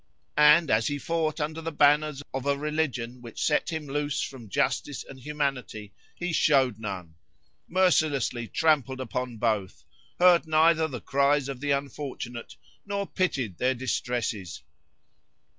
—and, as he fought under the banners of a religion which set him loose from justice and humanity, he shewed none; mercilessly trampled upon both,—"heard neither the cries of the unfortunate, nor pitied their distresses."